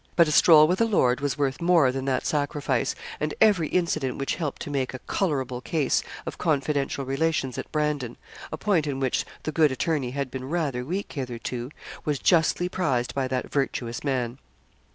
But a stroll with a lord was worth more than that sacrifice, and every incident which helped to make a colourable case of confidential relations at Brandon a point in which the good attorney had been rather weak hitherto was justly prized by that virtuous man.